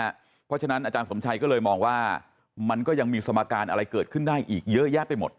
เพราะฉะนั้นอาจารย์สมชัยก็เลยมองว่ามันก็ยังมีสมการอะไรเกิดขึ้นได้อีกเยอะแยะไปหมด